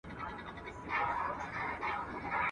o ول بازار ته څه وړې، ول طالع.